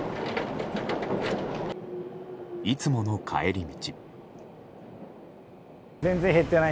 いつもの帰り道。